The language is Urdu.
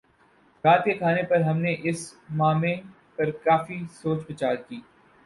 رات کے کھانے پر ہم نے اس معمے پر کافی سوچ بچار کی